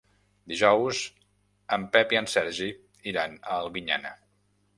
Dijous en Pep i en Sergi iran a Albinyana.